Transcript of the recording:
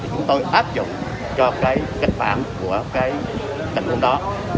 chúng tôi áp dụng cho cái kịch bản của cái tình huống đó